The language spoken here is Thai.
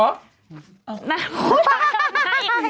มากจากใน